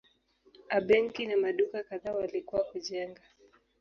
A benki na maduka kadhaa walikuwa kujengwa.